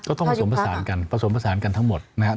ผสมผสานกันผสมผสานกันทั้งหมดนะครับ